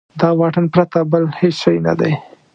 د واټن پرته بل هېڅ شی نه دی.